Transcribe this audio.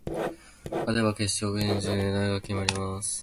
勝てば決勝進出、メダルが決まります。